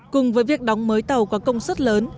cùng với việc đóng mới tàu có công suất lớn